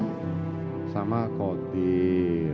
kadang sama om kotir